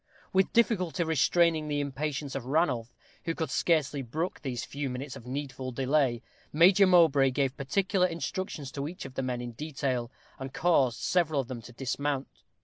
With difficulty restraining the impatience of Ranulph, who could scarcely brook these few minutes of needful delay, Major Mowbray gave particular instructions to each of the men in detail, and caused several of them to dismount.